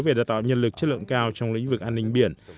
về đào tạo nhân lực chất lượng cao trong lĩnh vực an ninh biển